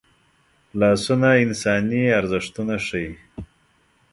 لاسونه انساني ارزښتونه ښيي